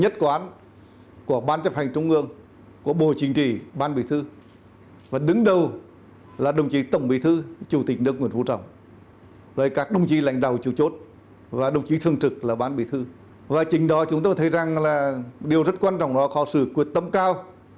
trong khi đó chúng tôi thấy rằng điều rất quan trọng đó có sự quyết tâm cao